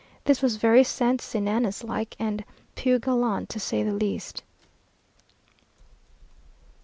This was very Saint Senanus like, and peu galant, to say the least.